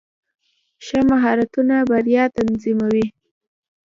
ښه مهارتونه بریا تضمینوي.